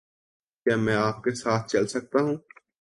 کیا میں آپ کے ساتھ چل سکتا ہوں؟